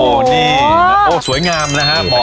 โอ้โหนี่โอ้สวยงามนะครับ